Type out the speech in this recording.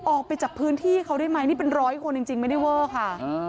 ออกไปจากพื้นที่เขาได้ไหมนี่เป็นร้อยคนจริงไม่ได้เวอร์ค่ะ